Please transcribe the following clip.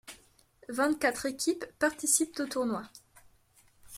Vingt-quatre équipes participent au tournoi.